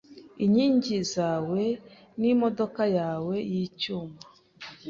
inkingi zawe nimodoka yawe yicyuma